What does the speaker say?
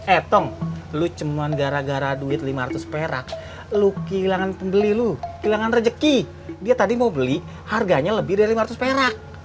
etong lu cuman gara gara duit lima ratus perak lu kehilangan pembeli lu kehilangan rezeki dia tadi mau beli harganya lebih dari lima ratus perak